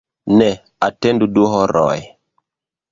Ne antaŭ du horoj.